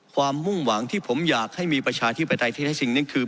ความมุ่งหวังที่ผมอยากให้มีประชาที่ประทัยที่แท้สิ่งนี้คือ